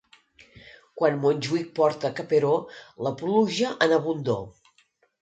Quan Montjuïc porta caperó, la pluja en abundor.